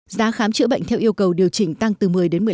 giá khám chữa bệnh theo yêu cầu điều chỉnh tăng từ một mươi đến một mươi năm